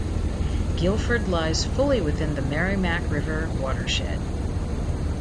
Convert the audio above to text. Gilford lies fully within the Merrimack River watershed.